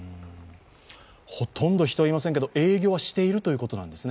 ほとんど人いませんけど営業しているということですね？